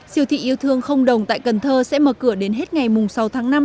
siêu thị yêu thương không đồng tại cần thơ sẽ mở cửa đến hết ngày sáu tháng năm